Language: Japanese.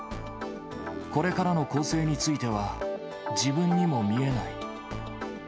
これからの更生については、自分にも見えない。